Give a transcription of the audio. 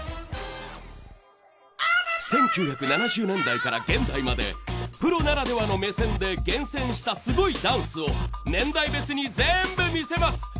１９７０年代から現代までプロならではの目線で厳選したすごいダンスを年代別に全部見せます。